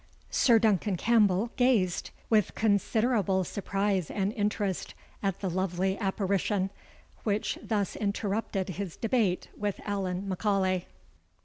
Sir Duncan Campbell gazed with considerable surprise and interest at the lovely apparition, which thus interrupted his debate with Allan M'Aulay.